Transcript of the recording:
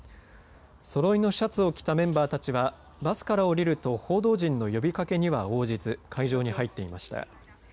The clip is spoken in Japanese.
そろいのシャツを着たメンバーたちはバスから降りると報道陣の呼びかけには応じず会場に入っていました。